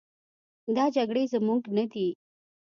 دا جګړې زموږ نه دي.